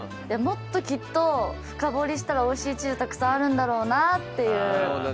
もっときっと深掘りしたらおいしいチーズたくさんあるんだろうなって。